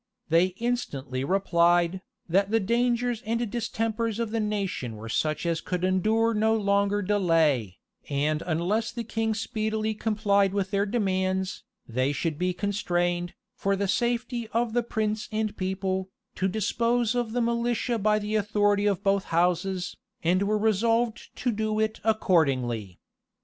They instantly replied, that the dangers and distempers of the nation were such as could endure no longer delay; and unless the king speedily complied with their demands, they should be constrained, for the safety of prince and people, to dispose of the militia by the authority of both houses, and were resolved to do it accordingly.